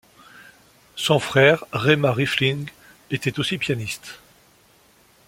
Sonn frère Reimar Riefling, était aussi pianiste.